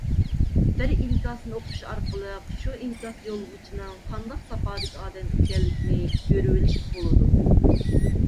بىر ئىنكاسنى ئوقۇش ئارقىلىق شۇ ئىنكاس يوللىغۇچىنىڭ قانداق ساپادىكى ئادەم ئىكەنلىكىنى كۆرۈۋېلىشقا بولىدۇ.